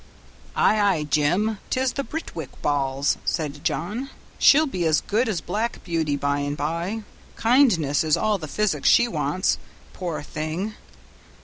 "Ay, ay, Jim, 'tis 'the Birtwick balls'," said John, "she'll be as good as Black Beauty by and by; kindness is all the physic she wants, poor thing!"